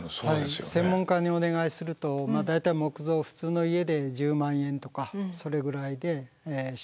専門家にお願いすると大体木造普通の家で１０万円とかそれぐらいで診断をして頂くと。